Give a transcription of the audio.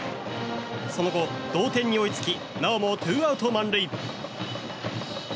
その後、同点に追いつきなおもツーアウト満塁。